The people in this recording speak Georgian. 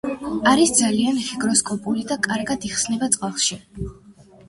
არის ძალიან ჰიგროსკოპული და კარგად იხსნება წყალში.